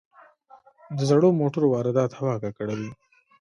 د زړو موټرو واردات هوا ککړوي.